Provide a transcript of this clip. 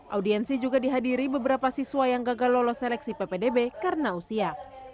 audiensi juga dihadiri beberapa siswa yang gagal lolos seleksi ppdb karena usia